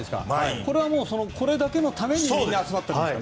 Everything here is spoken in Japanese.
これはこれだけのためにみんな集まってるんですか？